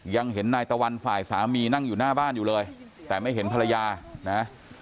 ยังเห็นนายตะวันฝ่ายสามีนั่งอยู่หน้าบ้านอยู่เลยแต่ไม่เห็นภรรยานะ